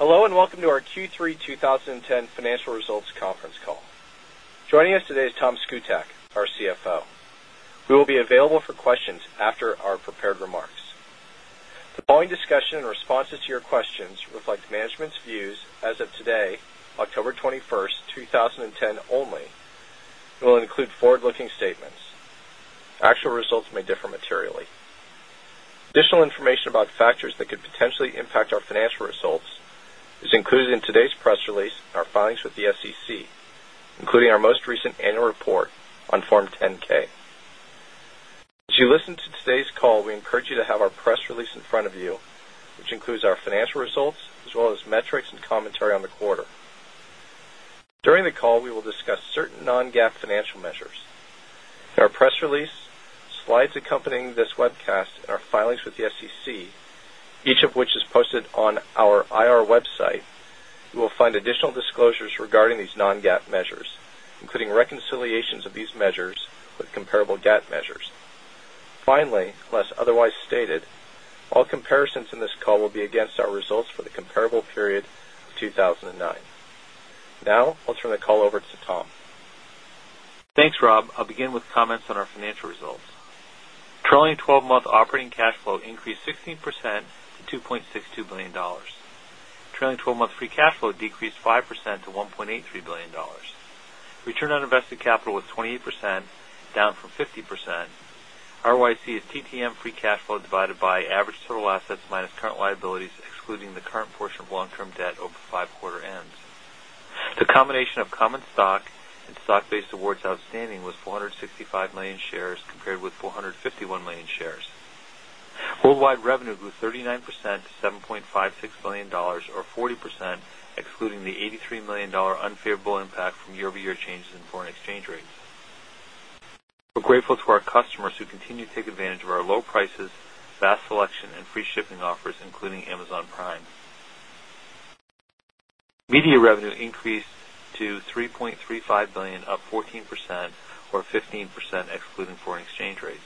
Hello, and welcome to our Q3 twenty ten Financial Results Conference Call. Joining us today is Tom Szkutak, our CFO. We will be available for questions after our prepared remarks. The following discussion and responses to your questions reflect management's views as of today, October 21, 2010 only and will include forward looking statements. Actual results may differ materially. Additional information about factors that could potentially impact our financial results is included in today's press release and our filings with the SEC, including our most recent annual report on Form 10 ks. As you listen to today's call, we encourage you to have our press release in front of you, which includes our financial results as well as metrics and commentary on the quarter. During the call, we will discuss certain non GAAP financial measures. In our press release, slides accompanying this webcast and our filings with the SEC, each of which is posted on our IR website, you will find additional disclosures regarding these non GAAP measures, including reconciliations of these measures with comparable GAAP measures. Finally, unless otherwise stated, all comparisons in this call will be against our results for the comparable period of 2,009. Now, I'll turn the call over to Tom. Thanks, Rob. I'll begin with comments on our financial results. Trailing 12 month operating cash flow increased 16 percent to $2,620,000,000 Trailing 12 month free cash flow decreased 5% to 1 $830,000,000,000 Return on invested capital was 28%, down from 50%. ROIC is TTM free cash flow divided by average total assets minus current liabilities excluding the current portion of long term debt over the 5 quarter end. The combination of common stock and stock based awards outstanding was 465,000,000 shares compared with 451,000,000 shares. Worldwide revenue grew 39 percent to 7,560,000,000 dollars or 40 percent excluding the $83,000,000 unfavorable impact from year over year changes in foreign exchange rates. We're grateful to our customers who continue to take advantage of our low prices, vast selection and free shipping offers including Amazon Prime. Media revenue increased to $3,350,000,000 up 14% or 15% excluding foreign exchange rates.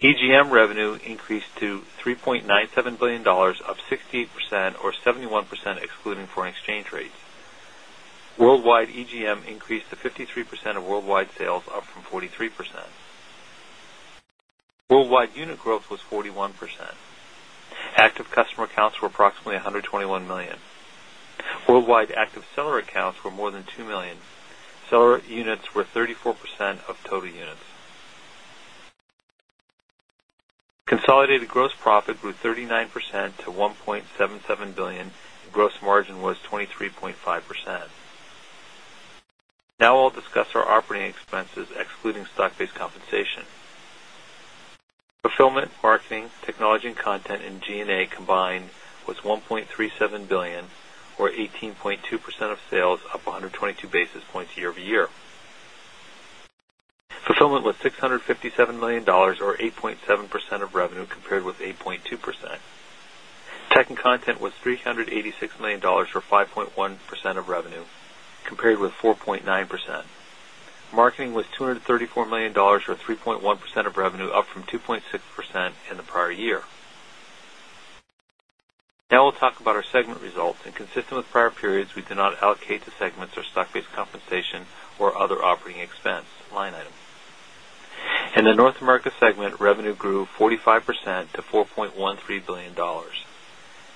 EGM revenue increased to $3,970,000,000 up 60% or 71% excluding foreign exchange rates. Worldwide EGM increased to 53% of worldwide sales, up from 43%. Worldwide unit growth was 41%. Active customer accounts were approximately 121,000,000. Worldwide active seller accounts were more than 2,000,000. Seller units were 34% of total units. Consolidated gross profit grew 39% to $1,770,000,000 and gross margin was 23.5%. Now I'll discuss our operating expenses excluding stock based compensation. Fulfillment, marketing, technology and content and G and A combined was $1,370,000,000 or 18.2 percent of sales, up 122 basis points year over year. Fulfillment was $657,000,000 or 8.7 percent of revenue compared with 8.2%. Tech and Tech and content was $386,000,000 or 5.1 percent of revenue compared with 4.9%. Now, we'll talk about our segment results and consistent with prior periods, we did not Now, we'll talk about our segment results and consistent with prior periods, we did not allocate to segments or stock based compensation or other operating expense line item. In the North America segment, revenue grew 45 percent to $4,130,000,000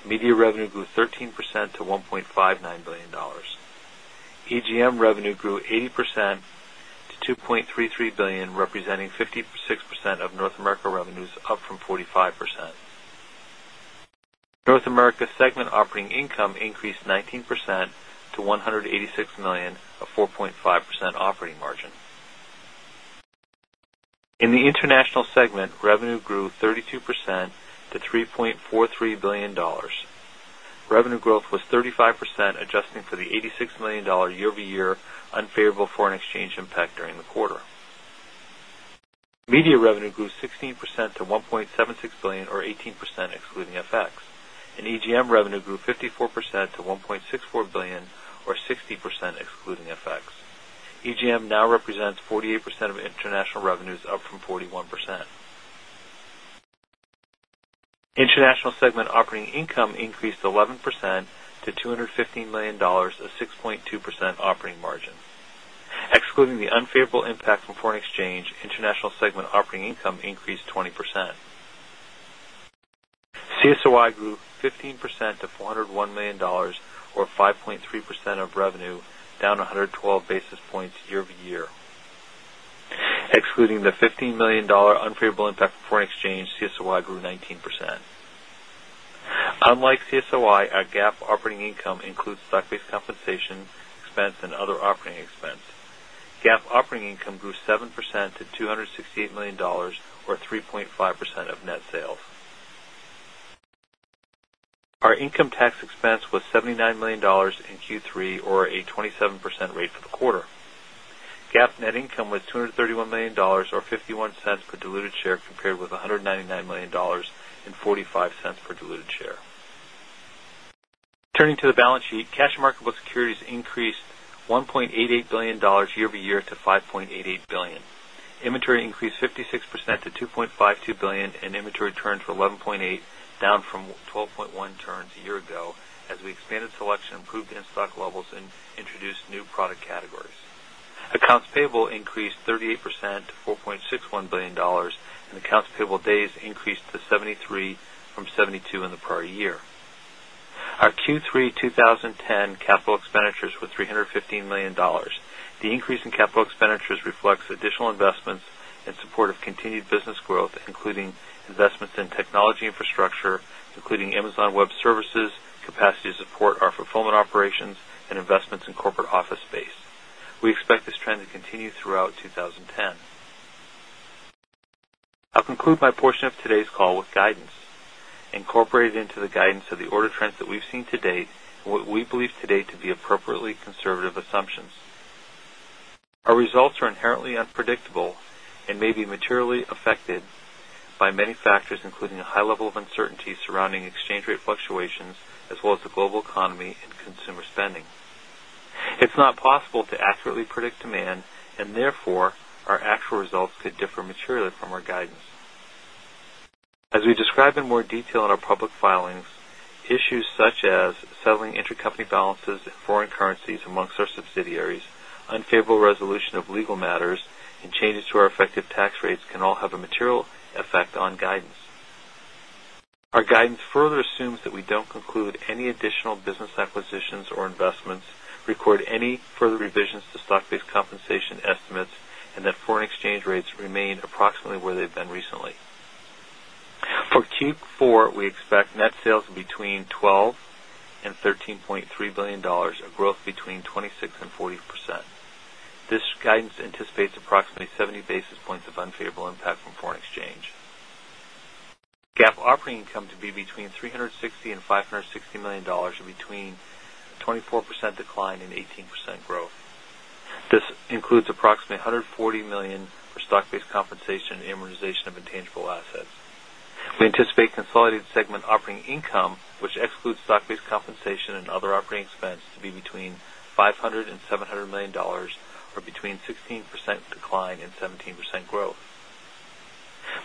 Media revenue grew 13% to 1 point $59,000,000,000 EGM revenue grew 80% to 2,330,000,000 representing 50 dollars representing 50 $6,000,000 a 4.5 percent operating margin. In the international segment, revenue grew 32% to $3,430,000,000 Revenue growth was 35% adjusting for the $86,000,000 year over year unfavorable foreign exchange impact during the quarter. Media revenue grew 16% to $1,760,000,000 or 18% excluding FX, And EGM revenue grew 54 percent to $1,640,000,000 or 60% excluding FX. EGM now represents 48% of international revenues, up from 41%. International segment operating income increased 11 percent to $215,000,000 a 6.2 percent operating margin. Excluding the unfavorable impact from foreign exchange, international segment operating income increased 20%. CSOI grew 15% to $401,000,000 or 5.3 percent of revenue, down 112 basis points year over year. Excluding the $15,000,000 unfavorable impact of foreign Our income tax expense was 70 Our income tax expense was $79,000,000 in Q3 or a 27% rate for the quarter. GAAP net income was $231,000,000 or $0.51 per diluted share compared with $199,000,000 $0.45 per diluted share. Turning to the balance sheet, cash and marketable securities increased $1,880,000,000 year over year to $5,880,000,000 Inventory increased 56% to $2,520,000,000 and inventory turns were $11,800,000,000 down from 12.1 turns a year ago as we expanded selection, improved in stock levels and introduced new product categories. Accounts payable increased 38 percent to $4,610,000,000 and accounts payable days increased to 73 from 72 in the prior year. Our Q3 ten capital expenditures were $315,000,000 The increase in capital expenditures reflects additional investments in support of continued business growth including investments in technology infrastructure, including Amazon Web Services, capacity to support our fulfillment operations and investments in corporate office space. We expect this trend to continue throughout 2010. I'll conclude my portion of today's call with guidance. Incorporated into the guidance of the order trends that we've seen to date and what we believe today to be appropriately conservative assumptions. Our results are inherently unpredictable and may be materially affected by many factors including a high level of uncertainty surrounding exchange rate fluctuations as well the global economy and consumer spending. It's not possible to accurately predict demand and therefore our actual results differ materially from our guidance. As we describe in more detail in our public filings, issues such as settling intercompany balances in foreign currencies amongst our subsidiaries, unfavorable resolution of legal matters and changes to our effective tax rates can all have a material effect on guidance. Our guidance further assumes that we don't conclude any additional business acquisitions or investments, record any further revisions to stock based compensation estimates and that foreign exchange rates remain approximately where they've been recently. For Q4, we Q4, we expect net sales between $12,000,000,000 $13,300,000,000 of growth between 26% 40%. This guidance anticipates approximately 70 basis points of unfavorable impact from foreign exchange. GAAP operating income to be between $360,000,000 $560,000,000 or between 24% decline and 18% growth. This includes approximately $140,000,000 for stock based compensation and amortization of intangible assets. We anticipate consolidated segment operating income, which excludes stock based compensation and other operating expense to be between $500,000,000 $700,000,000 or between 16% decline and 17% growth.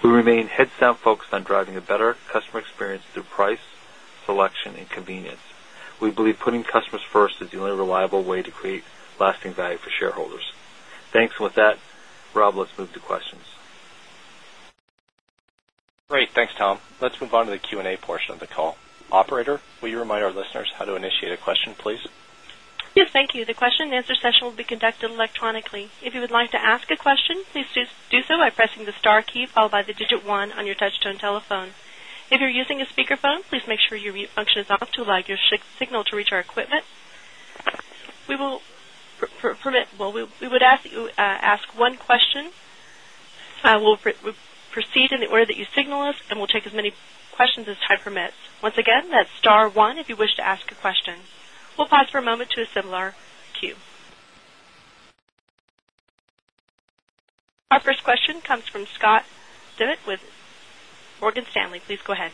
We remain head sound focused on driving a better customer experience through price, selection and convenience. We believe putting customers first is the only reliable way to create lasting value for shareholders. Thanks. And with that, Rob, let's move to questions. Great. Thanks, Tom. Let's move on to the Q and A portion of the call. Operator, will you remind our listeners how to initiate a question, please? Yes, thank you. The question and answer session will be conducted electronically. Our first question comes from Scott DeMitt with Morgan Stanley. Please go ahead.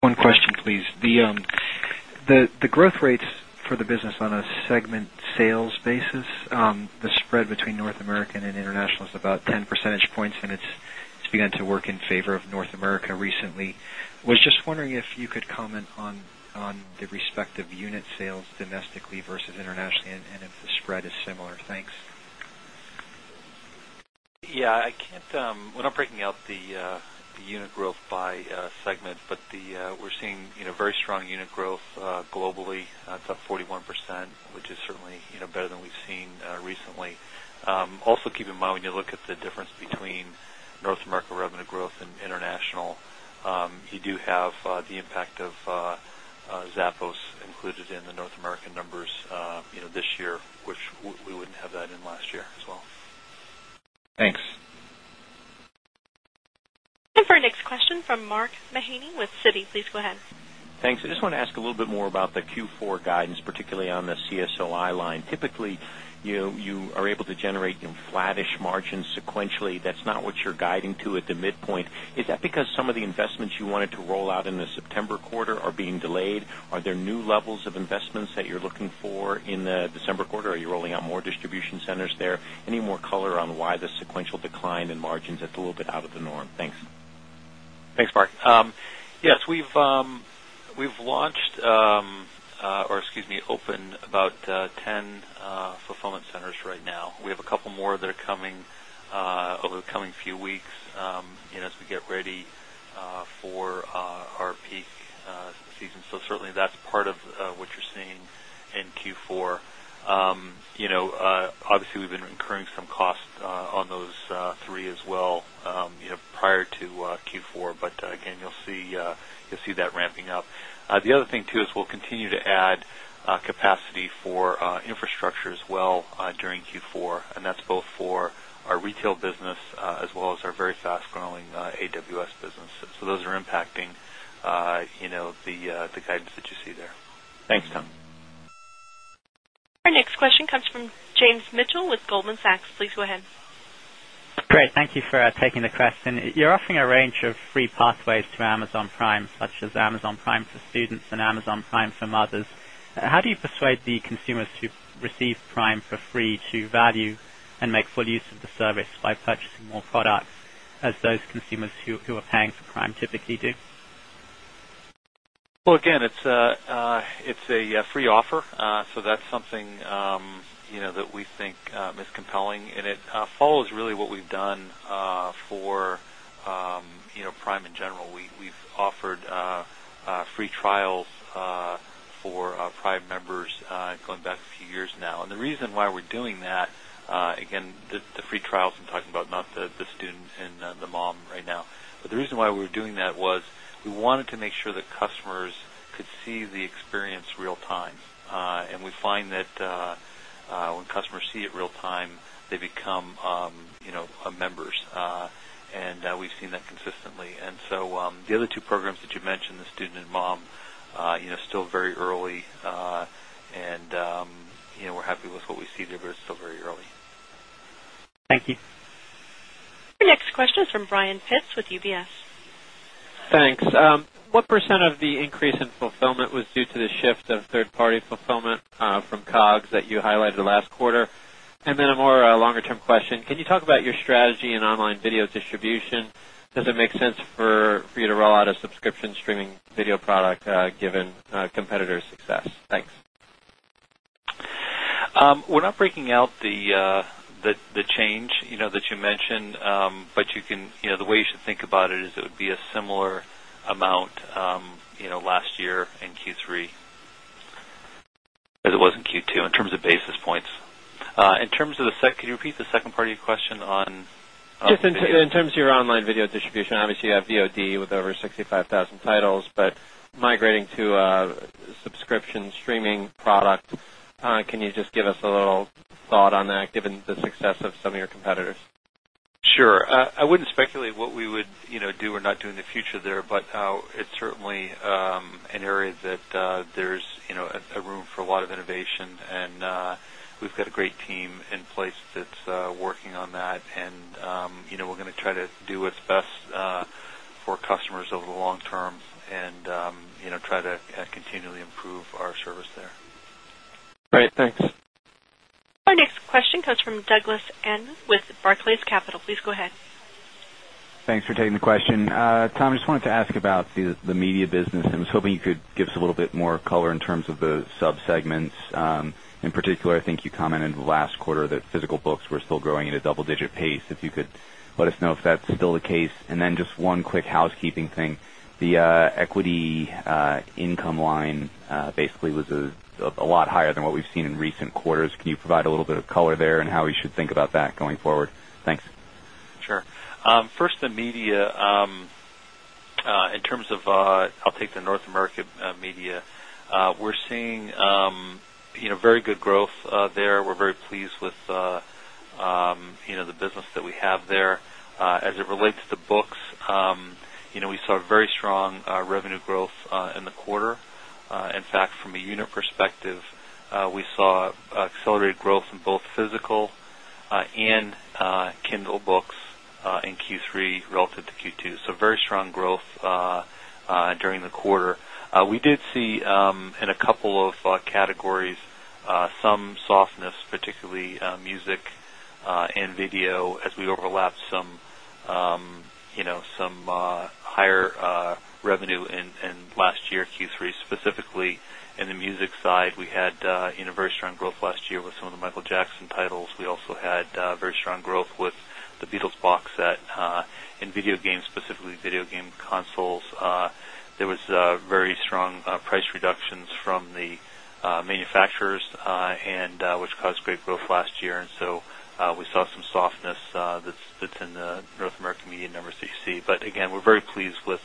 One question, please. The growth rates for the business on a segment sales basis, the spread between North American and international is about 10 percentage points and it's begun to work in favor of North America recently. I was just wondering if you could comment on the respective unit sales domestically versus internationally and if the spread is similar? Thanks. Yes. I can't we're not breaking out the unit growth by segment, but the we're seeing very strong unit growth globally, it's up 41%, which is certainly better than we've seen recently. Also keep in mind when you look at the difference between North America revenue growth and international, you do have the impact of Zappos included in the North American numbers this year, which we wouldn't have that in last year as well. Thanks. And for our next question from Mark Mahaney with Citi. Please go ahead. Thanks. I just want to ask a little bit more about the Q4 guidance, particularly on the CSOI line. Typically, you are able to generate flattish margins sequentially. That's not what you're guiding to at the midpoint. Is that because some of the investments you wanted to roll out in the September quarter are being delayed? Are there new levels of investments that you're looking for in the December quarter? Are you rolling out more distribution centers there? Any more color on why the sequential decline in margins is a little bit out of the norm? Thanks. Thanks, Mark. Yes, we've launched or excuse me opened about 10 fulfillment centers right now. We have a couple more that are coming over the coming few weeks as we get ready for our peak season. So certainly that's part of what you're seeing in Q4. Obviously, we've been incurring some costs on those 3 as well prior to Q4, but again, you'll see that ramping up. The other thing too is we'll continue to add capacity for infrastructure as well during Q4 and that's both for our retail business as well as our very fast growing AWS business. So those are impacting the guidance that you see there. Thanks, Tom. Our next question comes from James Mitchell with Goldman Sachs. Please go ahead. Great. Thank You're offering a range of free pathways to Amazon Prime, such as Amazon Prime for students and Amazon Prime for mothers. How do you persuade the consumers to receive Prime for free to value and make full use of the service by purchasing more products as those consumers who are paying for Prime typically do? Well, again, it's a free offer. So that's something that we think is compelling and it follows really what we've done for Prime in general. We've offered free trials for our Prime members going back a few years now. And the reason why we're doing that, again, free trials I'm talking about not the students and the mom right now. But the reason why we're doing that was we wanted to make sure that customers could see the experience real time. And we find that when customers see it real time, they become members. And we've seen that consistently. And so the other two programs that you mentioned, the student and mom, still very early and we're happy with what we see there, but it's still very early. Thank you. Your next question is from Brian Pitzer with UBS. Thanks. What percent of the increase in fulfillment was due to the shift of 3rd party fulfillment from COGS that you highlighted last quarter? And then a more longer term question. Can you talk about your strategy in online video distribution? Does it make sense for you to roll out a subscription streaming video product given competitor success? Thanks. We're not breaking out the change that you mentioned, but you can the way you should think about it is it would be a similar amount last year in Q3 as it was in Q2 in terms of basis points. In terms of the second can you repeat the second part of your question on? Just in terms of your online video distribution, obviously you have VOD with over 65,000 titles, but migrating to subscription streaming product, Can you just give us a little thought on that given the success of some of your competitors? Sure. I wouldn't speculate what we would do or not do in the future there, but it's certainly an area that there's a room for a lot of innovation and we've got a great team in place that's working on that and we're going to try to do what's best for customers over the long term and try to continually improve our service there. Great. Thanks. Our next question comes from Douglas Ng with Barclays Capital. Please go ahead. Thanks for taking the question. Tom, I just wanted to ask about the media business. I was hoping you could give us a little bit more color in terms of the sub segments. In particular, I think you commented last quarter that physical books were still growing at a double digit pace. If you could let us know if that's still the case? And then just one quick housekeeping thing. The equity income line basically was a lot higher than what we've seen in recent quarters. Can you provide a little bit of color there and how we should think about that going forward? Thanks. Sure. First the media, in terms of I'll take the North America media, we're seeing very good growth there. We're very pleased with the business that we have there. As it relates to books, we saw very strong revenue growth in the quarter. In fact, from a unit perspective, we saw accelerated growth in both physical and Kindle books in Q3 relative to Q2, so very strong growth during the quarter. We did see in a couple of categories some softness, particularly music and video as we overlap some higher revenue in last year Q3 specifically in the music side, we had a very strong growth last year with some of the Michael Jackson titles. We also had very strong growth with the Beatles box set in video games, specifically video game consoles. There was very strong price reductions from the manufacturers and which caused great growth last year. And so, we saw some softness that's in the North American Media and NBC. But again, we're very pleased with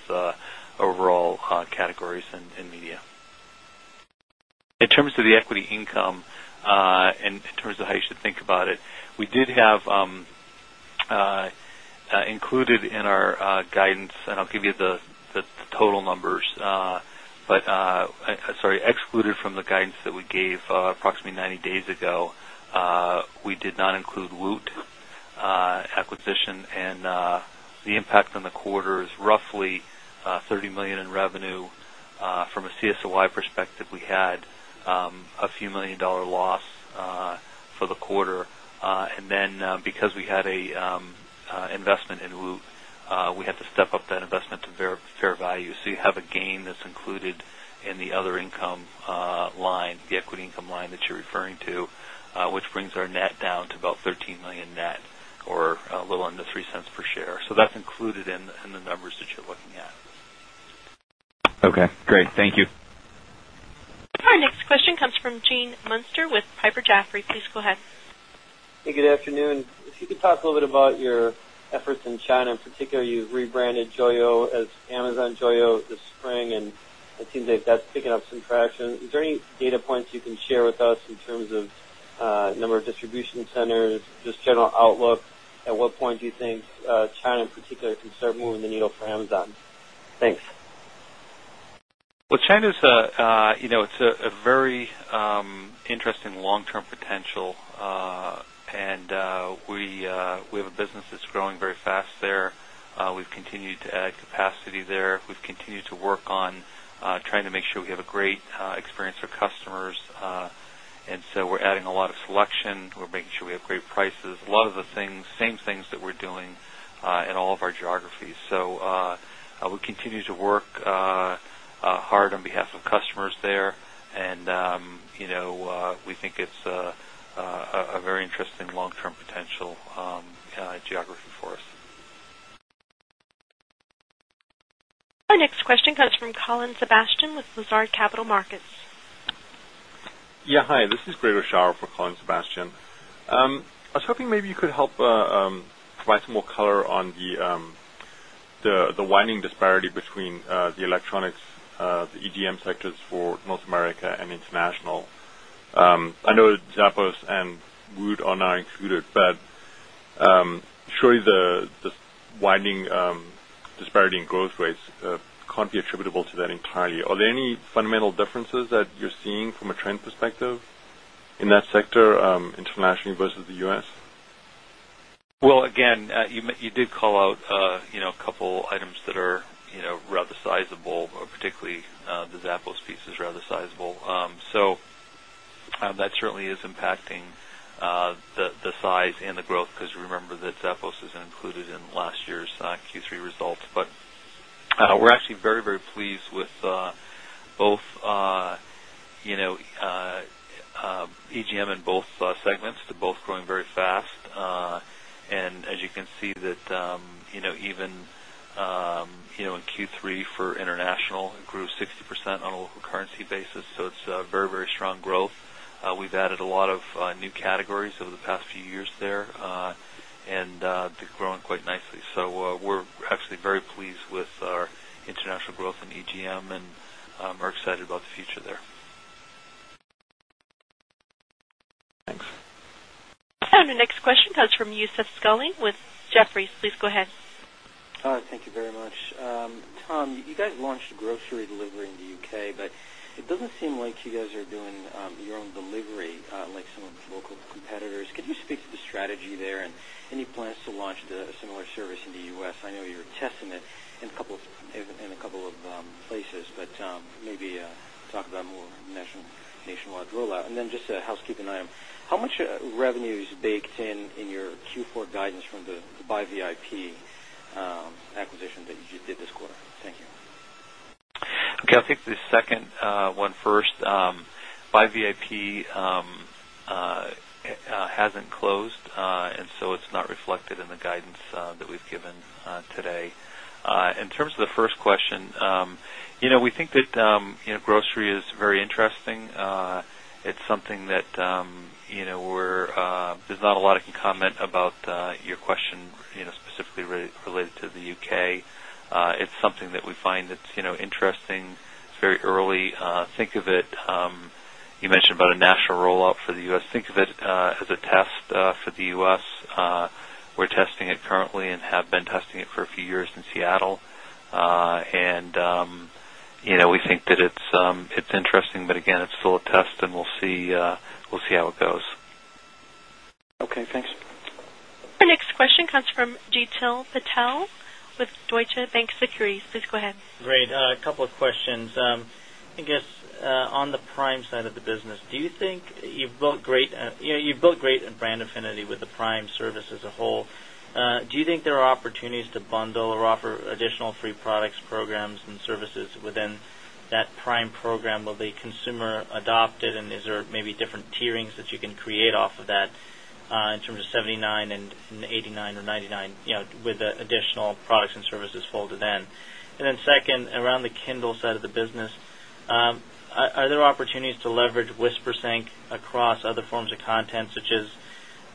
overall categories in Media. In terms of the equity income, and in terms of how you should think about it, we did have included in our guidance and I'll give you the total numbers, but sorry, excluded from the guidance that we gave approximately 90 days ago, we did not include Woot acquisition and the impact on the quarter is roughly 30,000,000 in revenue. From a CSOI perspective, we had a few $1,000,000 loss for the quarter. And then because we had a investment in Woot, we had to step up that investment to fair value. So you have a gain that's included in the other income line, the equity income line that you're referring to, which brings our net down to about $13,000,000 net or a little under $0.03 per share. So that's included in the numbers that you're looking at. Okay, great. Thank you. Our next question comes from Gene Munster with Piper Jaffray. Please go ahead. Hey, good afternoon. If you could talk a little bit about your efforts in China, in particular, you've rebranded Joyo as Amazon Joyo this spring and it seems like that's picking up some traction. Is there any data points you can share with us in terms of number of distribution centers, just general outlook? At what point do you think China in particular can start moving the needle for Amazon? Thanks. Well, China is a very interesting long term potential and we have a business that's growing very fast there. We've continued to add capacity there. We've continued to work on trying to make sure we have a great experience for customers. And so, we're adding a lot of selection. We're making sure we have great prices, a lot of the things, same things that we're doing in all of our geographies. So, we continue to work hard on behalf of customers there and we think it's a very interesting long term potential geography for us. Our next question comes from Colin Sebastian with Lazard Capital Markets. This is Gregor Schauer for Colin Sebastian. I was hoping maybe you could help provide some more color on the winding disparity between the electronics, the EDM sectors for North America and International. I know Zappos and Wood are now excluded, but surely the winding disparity in growth rates can't be attributable to that entirely. Are there any fundamental differences that you're seeing from a trend perspective in that sector internationally versus the U. S? Well, again, you did call out a couple items that are rather sizable or particularly the Zappos piece is rather sizable. So that certainly is impacting the size and the growth because remember that Zappos is included in last year's Q3 results. But we're actually very, very pleased with both, you know, EGM in both segments, they're both growing very fast. And as you can see that even in Q3 for international, it grew 60 percent on a local currency basis. So it's very, very strong growth. We've added a lot of new categories over the past few years there and they're growing quite nicely. So, we're actually very pleased with our international growth in EGM and are excited about the future there. Thanks. And the next question comes from Youssef Skulink with Jefferies. Please go ahead. Thank you very much. Tom, you guys launched grocery delivery in the U. K, but it doesn't seem like you guys are doing your own delivery like some of local competitors. Could you speak to the strategy there? And any plans to launch a similar service in the U. S? I know you're testing it in a couple of places, but maybe talk about more nationwide rollout. And then just a housekeeping item. How much revenues baked in your Q4 guidance from the Buy VIP acquisition that you did this quarter? Thank you. Okay. I'll take the second one first. Buy VIP hasn't closed and so it's not reflected in the guidance that we've given today. In terms of the first question, we think that grocery is very interesting. It's something that we're there's not a lot I can comment about your question specifically related to the U. K. It's something that we find interesting. It's very early. Think of it you mentioned about a national rollout for the U. S. Think of it as a test for the U. S. We're testing it currently and have been testing it for a few years in Seattle. And we think that it's interesting, but again, it's still a test and we'll see how it goes. Okay, thanks. Our next question comes from Jeetil Patel with Deutsche Bank Securities. Please go ahead. Great. A couple of questions. I guess on the Prime side of the business, do you think you've built great brand affinity with the Prime service as a whole. Do you think there are opportunities to bundle or offer additional free products, programs and services within that Prime program? Will the consumer adopt it? And is there maybe different tierings that you can create off of that in terms of $79,000,000 $89,000,000 or $99,000,000 with additional products and services folded in? And then second, around the Kindle side of the business, are there opportunities to leverage WhisperSync across other forms of content such as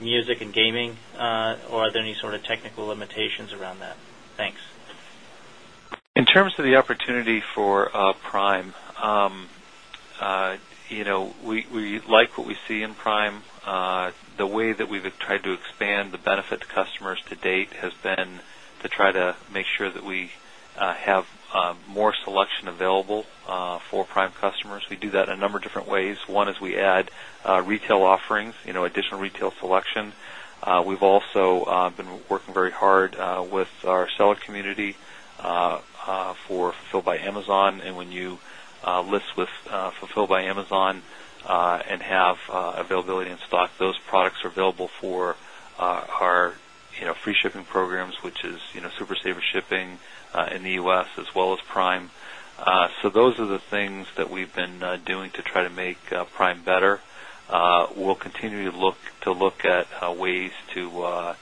music and gaming or are there any sort of technical limitations around that? Thanks. In terms of the opportunity for prime, we like what we see in prime. The way that we've tried to expand the benefit to customers to date has been to try to make sure that we have more selection available for prime customers. We do that in a number of different ways. One is we add retail offerings, you know additional retail selection. We've also been working very hard with our seller community for Fulfilled by Amazon and when you list with Fulfilled by Amazon and have availability in stock, those products are available for our free shipping programs, which is super saver shipping in the U. S. As well as Prime. So those are the things that we've been doing to try to make Prime better. We'll continue to look at ways to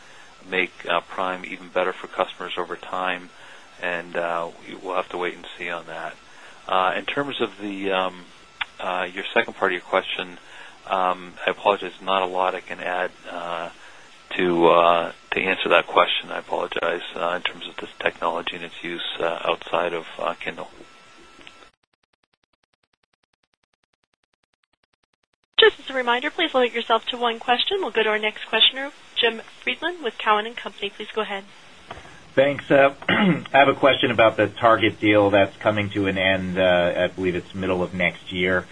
make Prime even better for customers over time and we'll have to wait and see on that. In terms of the your second part of your question, I apologize, not a lot I can add to answer that question, I apologize, in terms of this technology and its use outside of Kendall. We'll go to our next questioner, Jim Friedland with Cowen and Company. Please go ahead. I have a question about the Target deal that's coming to an end. I believe it's middle of next year.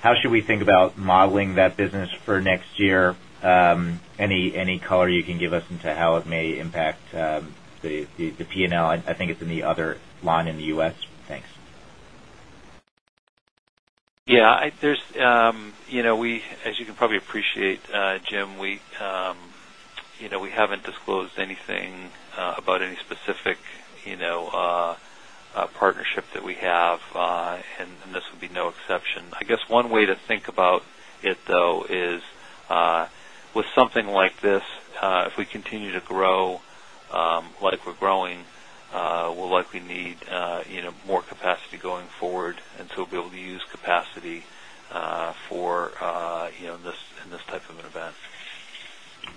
How should we think about modeling that business for next year? Any color you can give us into how it may impact the P and L? I think it's in the other line in the U. S. Thanks. Yes. There's we as you can probably appreciate, Jim, we haven't disclosed anything about any specific partnership that we have and this would be no exception. I guess one way to think about it though is with something like this, if we continue to grow like we're growing, we'll likely need more Okay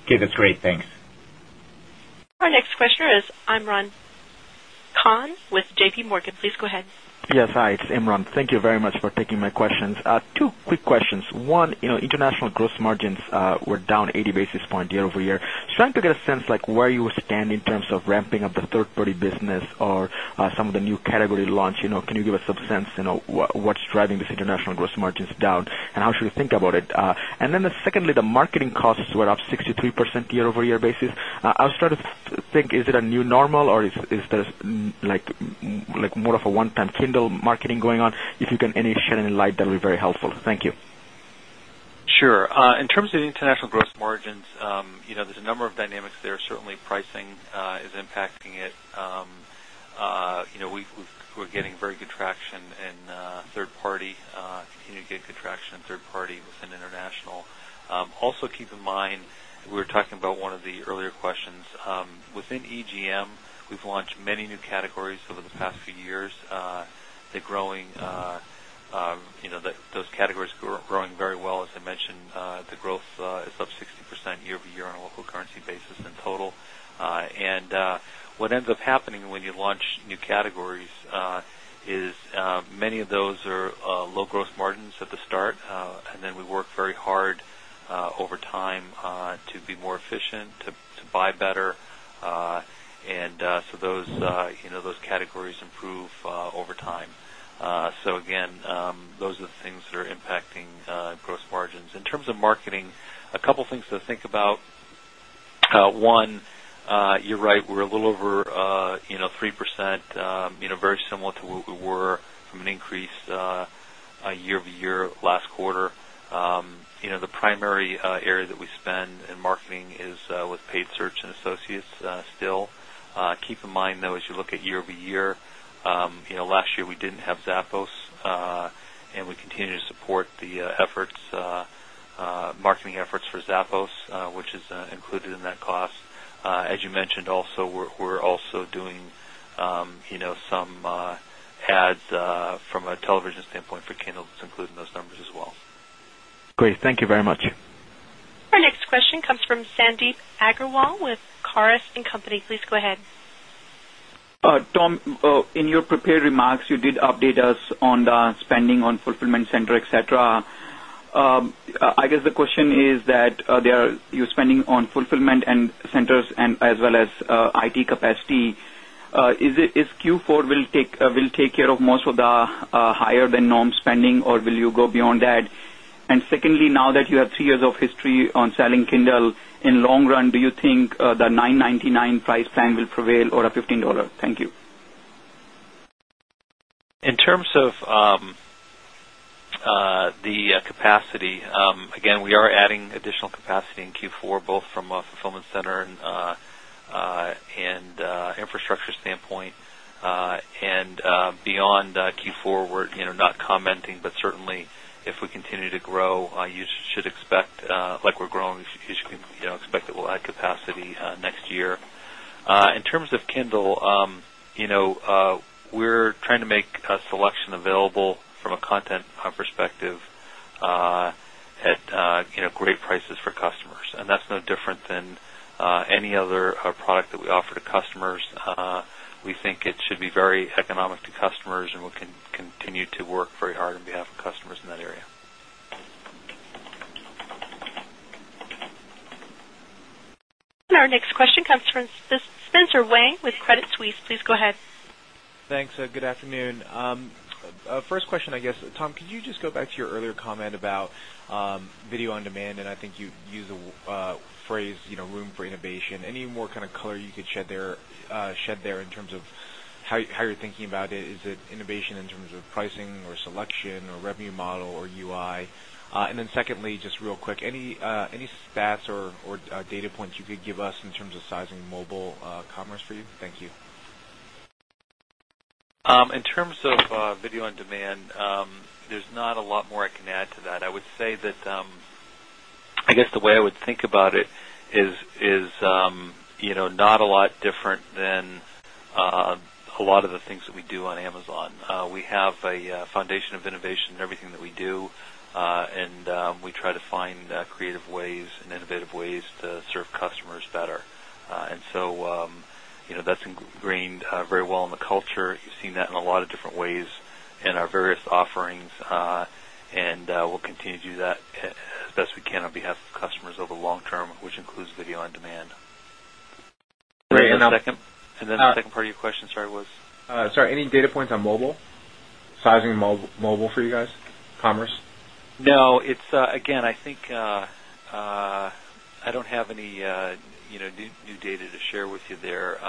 Okay. That's great. Thanks. Our next questioner is Imran Khan with JPMorgan. Please go ahead. Yes. Hi, it's Imran. Thank you very much for taking my questions. Two quick questions. One, international gross margins were down 80 basis points year over year. Just trying to get a sense like where you stand in terms of ramping up the 3rd party business or some of the new category launch? Can you give us some sense what's driving this international gross margins down and how should we think about it? And then secondly, the marketing costs were up 63% year over year basis. I was trying to think is it a new normal or is there like more of a one time Kindle marketing going on? If you can any shed any light that will be very helpful. Thank you. Sure. In terms of international gross margins, there's a number of dynamics there. Certainly pricing is impacting it. We're getting very good traction in 3rd party, continue to get good traction in 3rd party within international. Also keep in mind, we were talking about one of the earlier questions. Within EGM, we've launched many new categories over the past few years. They're growing those categories are growing very well. As I mentioned, the growth is up 60% year over year on a local currency basis in total. And what ends up happening when you launch new categories is many of those are low gross margins at the start and then we work very hard over time to be more efficient, to buy better, and so those categories improve over time. So again, those are the things that are 3%, very similar to what we were from an increase year over year last quarter. The primary area that we spend in marketing is with paid search and associates still. Keep in mind though as you look at year over year, last year we didn't have Zappos and we continue to support the efforts, marketing efforts for Zappos, which is included in that cost. As you mentioned also, we're also doing some ads from a television standpoint for Kendall, it's included in those numbers as well. Great. Thank you very much. Our next question comes from Sandeep Agarwal with Chorus and Company. Please go ahead. Tom, in your prepared remarks, you did update us on the spending on fulfillment center, etcetera. I guess the question is that you're spending on fulfillment centers and as well as IT capacity. Is Q4 will take care of most of the higher than norm spending or will you go beyond that? And secondly, now that you have 3 years of history on selling Kindle, in long run, do you think the $9.99 price plan will prevail or a $15 Thank you. In terms of the capacity, again, we are adding additional capacity in Q4 both from center and infrastructure standpoint. And beyond Q4, we're not commenting, but certainly we continue to grow, you should expect like we're growing, you should expect that we'll add capacity next year. In terms of Kindle, we're trying to make a selection available from a content perspective at great prices for customers and that's no different than any other product that we offer to customers. We think it should be very economic to customers and we can continue to work very hard on behalf of customers in that area. And our next question comes from Spencer Wang with Credit Suisse. Please go ahead. Thanks. Good afternoon. First question, I guess, Tom, could you just go back to your earlier comment about video on demand? And I think you used the phrase room for innovation. Any more kind of color you could shed there in terms of how you're thinking about it? Is it innovation in terms of pricing or selection or revenue model or UI? And then secondly, just real quick, any stats or data points you give us in terms of sizing mobile commerce for you? Thank you. In terms of video on demand, there's not a lot more I can add to that. I would say that, I guess the way I would think about it is not a lot different than a lot of the things that we do on Amazon. We have a foundation of innovation in everything that we do, and we try to find creative ways and innovative ways to serve customers better. And so, that's ingrained very well in the culture. You've seen that in a lot of different ways in our various offerings, and we'll continue to do that as best we can on behalf of customers over the long term, which includes video on demand. Great. And then the second part of your question, sorry, was? Sorry, any data points on mobile, sizing mobile for you guys, commerce? No, it's again, I think I don't have any new data to share with you there.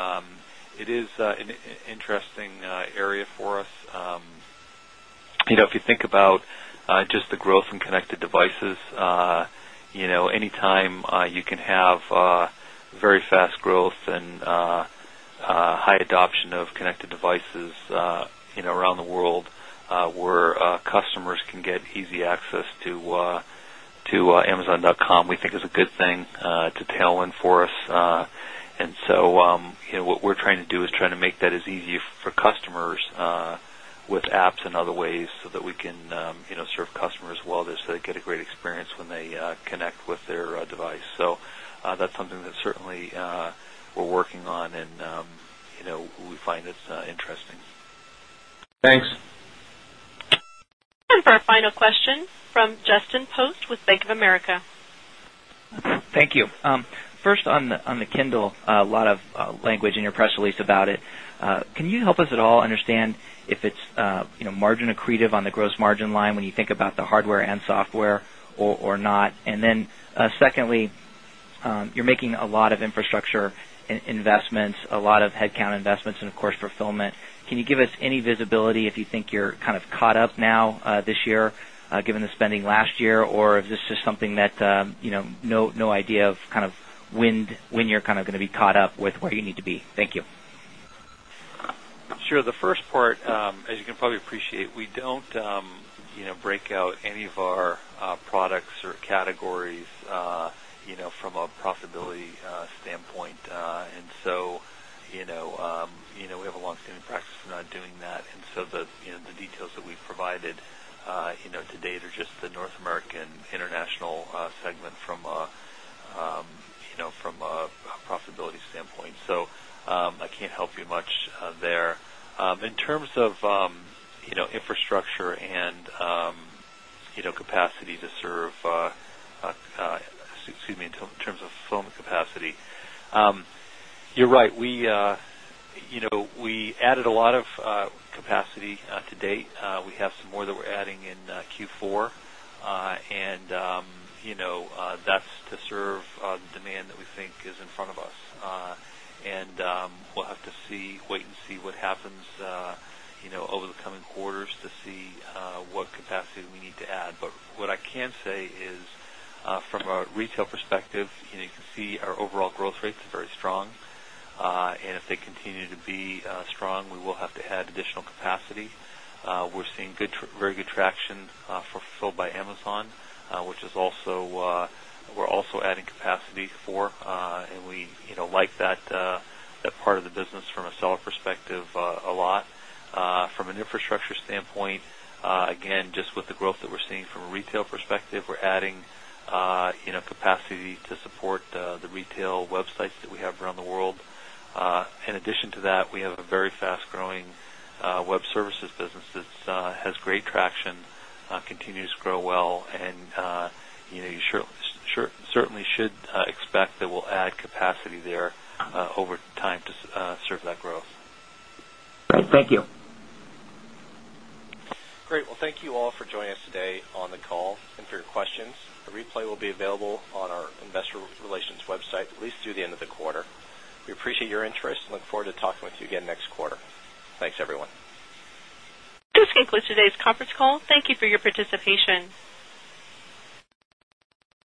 It is an interesting area for us. If you think about just the growth in connected devices, anytime you can have very fast growth and high adoption of connected devices around the world where customers can get easy access to Amazon dotcom. We think it's a good thing to tailwind for us. And so, what we're trying to do is trying to make that as easy for customers with apps and other ways so that we can serve customers well, so they get a great experience when they connect with their device. So that's something that certainly we're working on and we find this interesting. Thanks. And for our final question from Justin Post with Bank of America. Thank you. First on the Kindle, a lot of language in your press release about it. Can you help us at all understand if it's margin accretive on the gross margin line when you think about the hardware and software or not? And then secondly, you're making a lot of infrastructure investments, a lot of headcount investments and of course fulfillment. Can you give us any visibility if you think you're kind of caught up now this year given the spending last year or is this just something that no idea of kind of when you're kind of going to be caught up with where you need to be? Thank you. Sure. The first part, as you can probably appreciate, we don't break out any of our products or categories from a profitability standpoint. And so, we have a long standing practice of not doing that. And so, the details that we've provided to date are just the North American International segment from a profitability standpoint. So, I can't help you much there. In terms of infrastructure and capacity to serve excuse me, in terms of foam capacity, You're right, we added a lot of capacity to date. We have some more that we're adding in Q4 and that's to serve demand that we think is in front of us. And we'll have to see, wait and see what happens over the coming quarters to see what capacity we need to add. But what I can say is from a retail perspective, you can see our overall growth rate is very strong. And if they continue to be strong, we will have to add additional capacity. We're seeing very good traction fulfilled by Amazon, which is also we're also adding capacity for and we like that part of the business from a seller perspective a lot. From an infrastructure standpoint, again, just with the growth that we're seeing from a retail perspective, we're adding capacity to support the retail websites that we have around the world. In addition to that, we have a very fast growing Web Services business that has great traction, continues to grow well and you certainly should expect that we'll add capacity there over time to serve that growth. Great. Thank you. Great. Well, thank you all for joining us today on the call and for your questions. A replay will be available on our Investor Relations website at least through the end of the quarter. We appreciate your interest and look forward to talking with you again next quarter. Thanks everyone. This concludes today's conference call. Thank you for your participation.